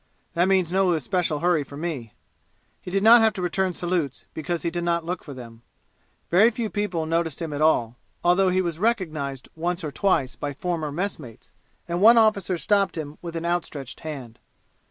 That means no especial hurry for me!" He did not have to return salutes, because he did not look for them. Very few people noticed him at all, although he was recognized once or twice by former messmates, and one officer stopped him with an out stretched hand.